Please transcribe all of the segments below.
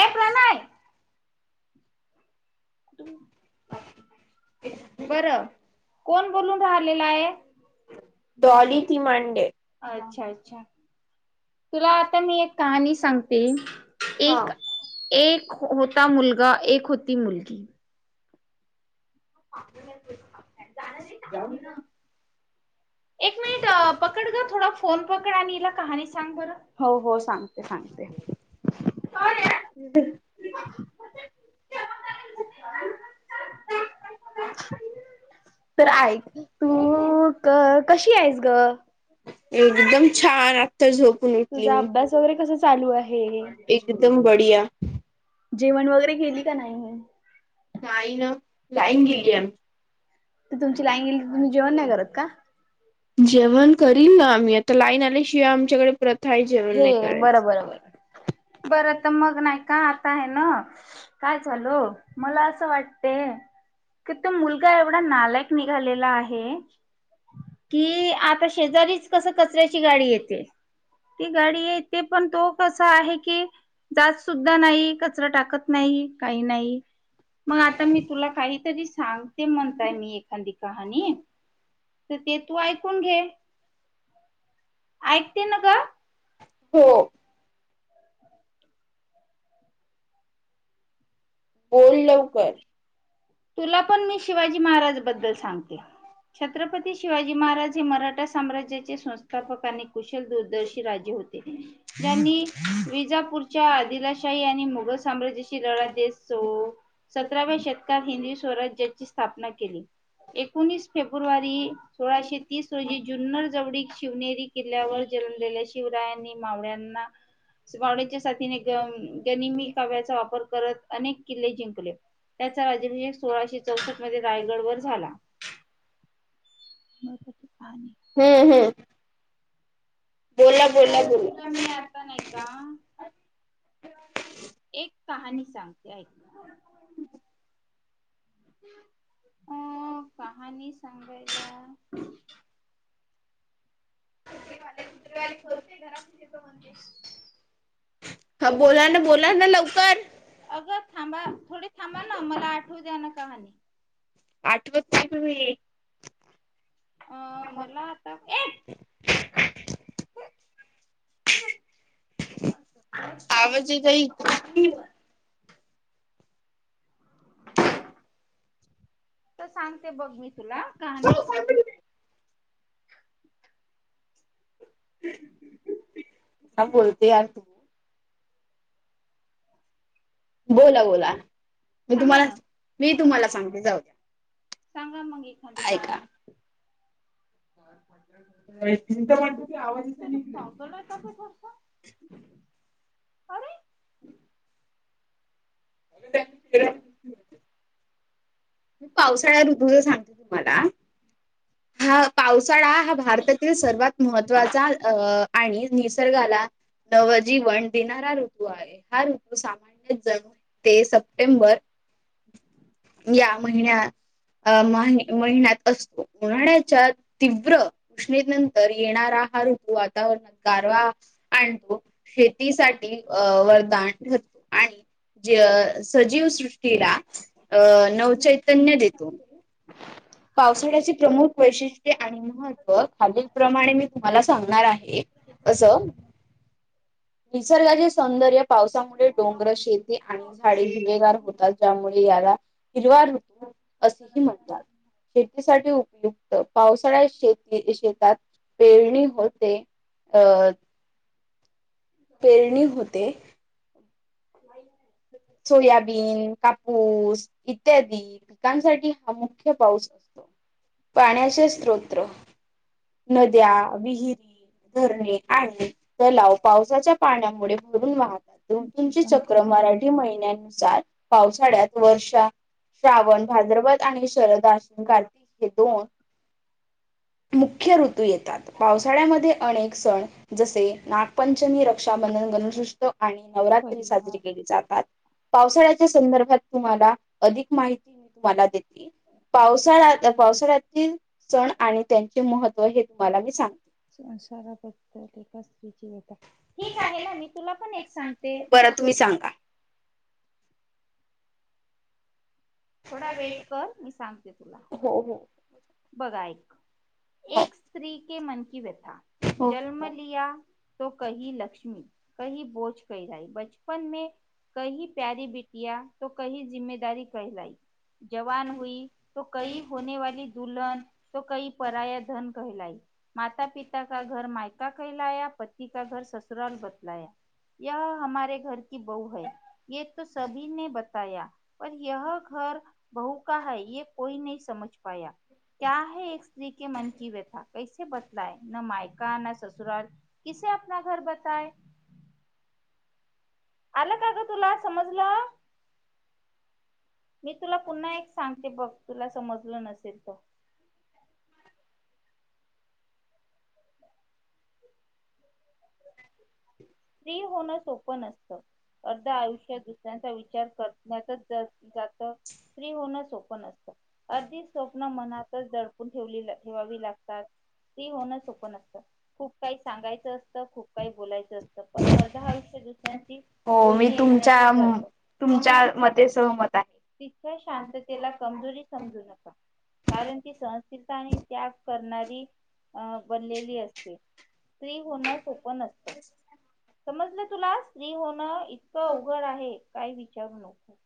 ऐ प्रणय बरं.. कोण बोलून राहिलेला आहे. डॉली ती मांडे अच्छा.. अच्छा तुला आता मी एक कहाणी सांगते हा एक... एक होता मुलगा, एक होती मुलगी. [unintelligible] एक मिनिट अं. पकड ग थोडा फोन पकड आणि हिला कहाणी सांग बरं. हो, हो सांगते सांगते. [unintelligible] तर ऐक तू क... कशी आहे ग? एकदम छान आत्ता झोपून उठली मी. दौरे कस चालू आहे? एकदम बढिया जेवण वगैरे केेली का नाही? नाही न लाईन गिलिय. तर तुमची लाईन गेली तुम्ही जेवण नाही करत. [inaudible] जेवण करीन न आम्ही, आता लाईन आल्याशिवाय आमच्याकडे प्र... हे बरं, बर, बर, बरं परत मग नाही का आता आहे [inaudible] नो. काय झालो मला असं वाटतंय. कि तो मुलगा एवढा नालायक निघालेला आहे. कि आता शेजारीच कस कचऱ्याची गाडी येते. ती गाडी येते पण तो कसा आहे की. जात सुद्धा नाही कचरा टाकत... नाही, काही नाही. मग आता मी तुला काहीतरी सांगते. म्हणताय मी एखादी कहाणी. तर ते तू ऐकून घे. ऐकते ना ग? हो. [inaudible] ओल लवकर तुला पण मी शिवाजी महाराज बद्दल सांगते. छत्रपती शिवाजी महाराज हे मराठा साम्राज्याचे संस्थापक आणि कुशल दूरदर्शी राज्य हो, त्यांनी विजापूरच्या आदिलाशाही यांनी मुघल साम्राज्याशी लढा देत सो. हम्म सतराव्या शतकात हिंदवी स्वराज्याची स्थापना केली. एकोणीस फेब्रुवारी सोळाशे तीस रोजी जुन्नर जवळी शिवनेरी किल्ल्यावर जनमलेल्या शिवरायांनी मावळ्यांना वाडच्या साथीने गनिमी काव्याचा वापर करत. अनेक किल्ले जिंकले. [inaudible] चा राज्याभिषेक सोळाशे चौसष्ट मध्ये रायगड वर झाला. [inaudible] मती [inaudible] काणी हम्म. हम्म. तर बोला पूर् मी आता नाही. का एक कहाणी सांगते ऐक. अ कहाणी सांगायला. खत खुतरे वाले खोलते घरात जेतो बनते. ह बोला ना बोला ना लवकर. अगं थांबा थोडी थांबा ना मला आठव द्या ना कानी. आठवतची प. अ मला आता. आवाज येत आहे ज. तर सांगते बघ मी तुला कहाणी. ह बोलते यार तु. बोला बोला मी थांबा तुम्हाला ना. मी तुम्हाला सांगित जाऊद्या. सांगा मगी खांली काय. णीच म्हणत त आवच. बोला तप ोडस अरे. ऐका मी पावसाळ्या ऋतूचा सांगतेो तुम्हाला. हा पावसाळा हा भारतातील सर्वात महत्वाचा. अ आणि निसर्गाला. नवजीवन देणारा ऋतू आहे हा ऋतू सामान्य जण. ते सप्टेंबर. या महिन्याहि महिन्यात असतो. उन्हाळ्याच्या तीव्र उष्णेनंतर येणारा हा ऋतू वातावरणात गारवा. आण तो शेतीसाठी अ वरदान ठरतो आणि. ज सजीव सृष्टीला अ नवचैतन्य देतो. पावसाळ्याचे प्रमुख वैशिष्ट्ये आणि महत्त्व खालील प्र्रमाणे मी तुम्हाला सांगणार आहे. असं. निसर्गाचे सौंदर्य पावसामुळे डोंगर शेती आणि. झाडे भुहेगार होतात ज्यामुळे याला हिरवार होतो. काय क. शेतीसाठी उपयुक्त पावसाळ्यात शेती शेतात पेरणी होते. अ. पेरणी होते. वई. सोयाबीन कापूस इत्यादी. पिकांसाठी हा मुख्य पाऊस असतो पाण्याचे स्रोत. नद्या विहिरी. धरणे आणि तलाव पावसाच्या पाण्यामुळे भरून वाहत. ऋतूंचे जीवन चक्र कहाणी मराठी महिन्यानुसार पावसाळ्यात वर्षा. श्रावण भाद्रपद आणि अश्विन कार्तिक हे दोन. मुख्य ऋतू येतात पावसाळ्यामध्ये अनेक सण जसे नागपंचमी रक्त. रक्षाबंधन गणेशोत्सव आणि नवरात्री साजरी परिवार केली जाते. पावसाळ्याच्या संदर्भात तुम्हाला अधिक माहिती मी तुम्हाला देते पावसाळा्या. पावसाळ्याततील सण आणि त्यांचे महत्व हे तुम्हाला मी सांग. संसाराबद्धत एका होता ठीक आहे ना मी तुला पण एक सांगते. बरं तुम्ही सांगा. थोडा वेट कर मी सांगते तुला. हो हो. बगायक एक स्त्री के मन की व्यथा जन्म लिया. तो कही लक्ष्मी काही बोज क राई ब. बचपन मे काही प्याारी बिटया त कही जिमेदारी कहलाई. जवान होई तो कही होने वाली दुल्हन. परराया धन कहलाई माता पिता का घर मायका कहलाया पती. का घर ससुराल बतलाया यह हमारे घर की बहू है. ये तो सभीने ब. पर यह घर बहू का है यह कोई नही समज पाया. क्या है एक स्त्री के मन की व्यथा कैसे बतलाय ना मायका ना ससुरल. किसे आपना घर बताय? आलं का ग तुला समजलं? मी तुला पुन्हा एक सांगते बघ तुला समजलं नसेल तर.. स्त्री होणं सोपं नसतं अर्ध आयुष्य दुसऱ्यांचा विचार कर. जात फ्री होणं सोप नअसतं अगधी स्वप्न. मनातच दडपून ठेव ठेवावी लागतात. स्त्री होणं सोपं नसतं खूप काही सांगायचं असतं खूप काही बोलायचं असतं. पण अर्ध आयुष्य दुसऱ्यांची बोलणी ऐकण्यासच जात म्हणून. तिच्या शांततेला कमजोरी समजू नका. कारण ती सहनशीलता आणि त्याग करणारी अ बनलेली असते. स्त्री होणं सोपं नसतं. समजलं तुला स्त्री होणं इतकं अवघड आहे काही विचारू नको.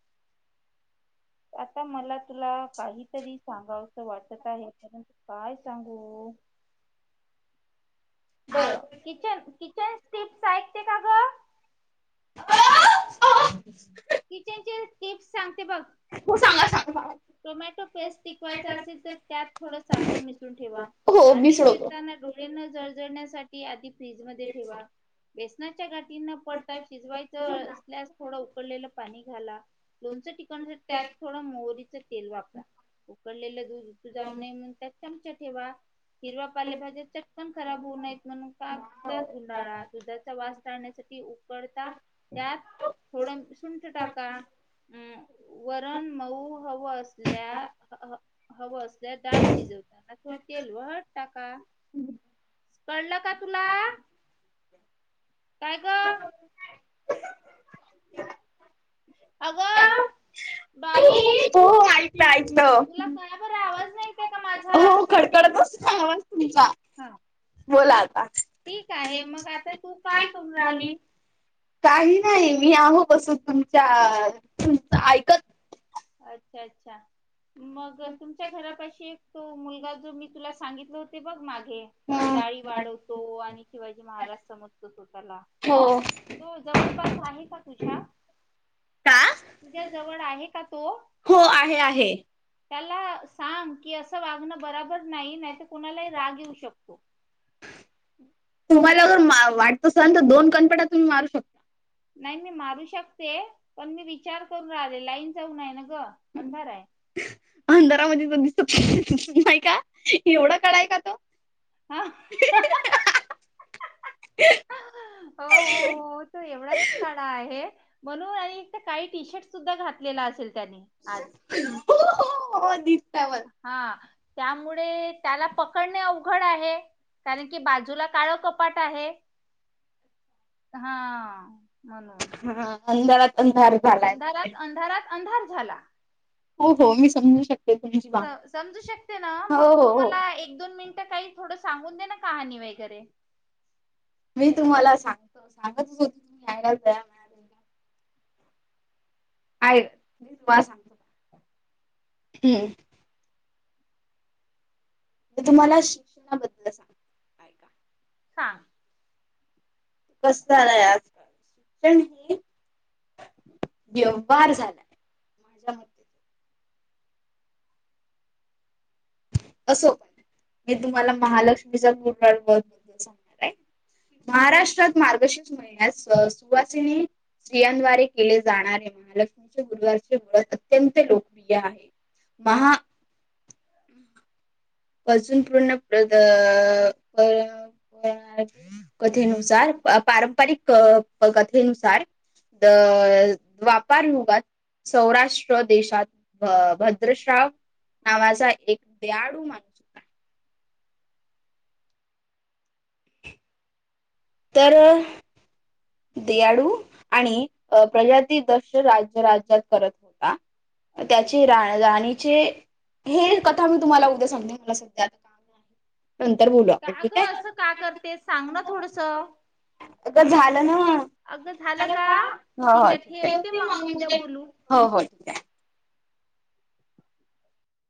आता मला तुला काहीतरी सांगाव असं वाटत आहे परंतु काय सांगू. बरं किचन किचन टिप्स ऐकते का ग? क किचन चे टिप्स सांगते बघ. हो सांगा सांगा टोमॅटो पेस्ट टिकवायचा असेल तर त्यात थोड साखर मिसळून ठेवा. कांदे चिरताना डोळ्यांना जळजळण्यासाठी आधी फ्रीज मध्ये ठेवा. बेसनाच्या गाठीना पडता शिजवायचं असल्यास थोडं उकडलेलं पाणी घाला. लोणचं टिकवण्यासाठी त्यात थोडं मोहरीचं तेल वापरा. उकडलेलं दूध उत जाऊ नये म्हणून त्यात चमचा ठेवा हिरवा पाले भाज्या च. खराब होऊ नाहीयत म्हणून कागदात गुंडाळा दुधाचा वास टाळण्यासाठी उकडता. त्यात थोडं सुंठ टाका. अं वरण मऊ हवं असल्या. हवं असल्या दाळ शिजवताना थोडं तेल वळट टाका. कळलं का तुला? काय ग.. अग डॉली. हो ऐकलं ऐकलं. त्या बर आवाज नाहीत आहे का माझा हो खडकडतच आवाज तुमचा. हा. बोला आता ठीक आहे मग आता तू काय करून राहिली. काही नाही मी आहो बसून तुमच्या तुच ऐकत अच्छा अच्छा मग तुमच्या घरापाशी एक तो मुलगा जो मी तुला सांगितलं होते बघ मागे डाळी वाढवतो आणि शिवाजी महाराज समोर तो स्वतःला तो जवळपास आहे का तुझ्या का? तुझ्या जवळ आहे का तो? हो आहे आहे. त्याला सांग की असं वागणं बराबर नाही नाही तर कुणालाही राग येऊ शकतो. तुम्हाला जर मार वाटत असल तर दोन कानफटात तुम्ही मारू शक. नाही नाही मारू शकते पण मी विचार करून राहिले लाईन जाऊन आहे ना ग अंधार आहे. अंधारामध्ये दिसत नाही का एवढं काळाय का तो? [unintelligible] हो हो हो तो एवढाच काळा आहे म्हणून आणि काळी टी शर्ट सुद्धा घातलेला असेल त्याने आज हो हो [inaudible] हा त्यामुळे त्याला पकडणे अवघड आहे. कारण की बाजूला काळं कपाट आहे. हा म्हणून हा हा हा अंधारात अंधार अंधारात अंधारात अंधार झाला. हो हो मी समजू शक. स समजू शकते ना, मग तुम्हाला एक दोन मिनटं काही थोडं सांगून दे ना कहाणी वगैरे मी तुम्हाला सांगतो सांगतच होते सांगाल का आहे बास हम्म. मी तुम्हाला शिक्षणाबद्दल सांग हा कस झालंय आजकाल शिक्षण हे [unintelligible] व्यवहार झाला. [unintelligible] असो पण मी तुम्हाला महालक्ष्मीचा [unintelligible] सांगणार आहे. महाराष्ट्रात मार्गशीर्ष महिन्यास स सुवासिनी स्त्रियांद्वारे केले जाणारे महालक्ष्मीचे गुरुवारचे व्रत अत्यंत लोकप्रिय आहे महा [inaudible] अजून पूर्ण [unintelligible] [unintelligible] कथेनुसार पारंपरिक कथेनुसार द.. द्वापारयुगात सौराष्ट्र देशात भ भद्रश्राव नावाचा एक दयाळु माणूस तर देयाळु आणि प्रजाती दक्ष राज्य राज्यात करत होता. अच्छा त्याची अच्छा रा राणीचे ही कथा मी तुम्हाला उद्या सांगते, मला सध्या आता नंतर बोलू आपण का ग ठीक आहे असं का करते सांग ना थोडस [inaudible] अग झाल न अगं झालं झाल का? हो हो ठीक आहे, ठेवती मग मी उद्या हो हो द्या